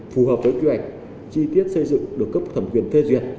phù hợp với quyền chi tiết xây dựng được cấp thẩm quyền phê duyệt